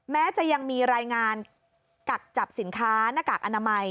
แม้จะยังมีรายงานกักจับสินค้าหน้ากากอนามัย